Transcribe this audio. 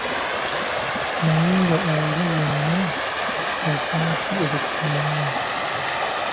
Naye nga olwo lwonna ofa ki okukuba munno?